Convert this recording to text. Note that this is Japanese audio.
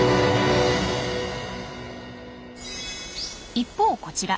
一方こちら。